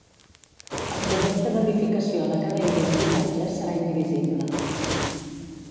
El Projecte d'edificació de cada illa d'habitatges serà indivisible.